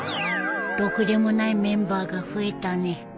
ろくでもないメンバーが増えたね